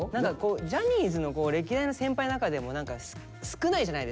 ジャニーズの歴代の先輩の中でも何か少ないじゃないですか。